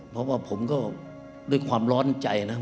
เพราะว่าผมก็ด้วยความร้อนใจนะ